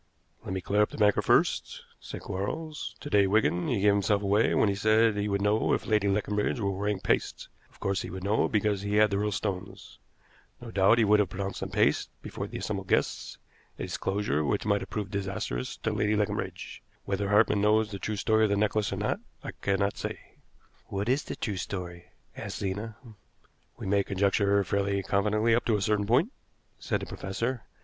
"Let me clear up the banker first," said Quarles. "To day, Wigan, he gave himself away when he said he would know if Lady Leconbridge were wearing paste. Of course he would know, because he had the real stones. No doubt he would have pronounced them paste before the assembled guests a disclosure which might have proved disastrous to Lady Leconbridge. Whether Hartmann knows the true story of the necklace or not, I cannot say." "What is the true story?" asked Zena. "We may conjecture fairly confidently up to a certain point," said the professor.